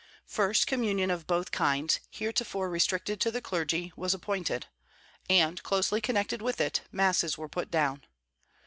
First communion of both kinds, heretofore restricted to the clergy, was appointed; and, closely connected with it, Masses were put down.